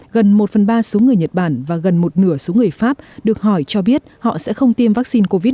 gần một phần ba số người nhật bản và gần một nửa số người pháp được hỏi cho biết họ sẽ không tiêm vaccine covid một mươi chín